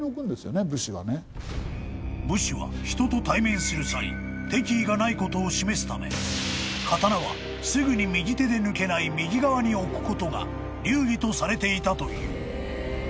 ［武士は人と対面する際敵意がないことを示すため刀はすぐに右手で抜けない右側に置くことが流儀とされていたという］